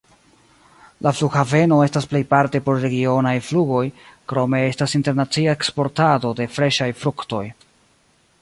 La flughaveno estas plejparte por regionaj flugoj, krome estas internacia eksportado de freŝaj fruktoj.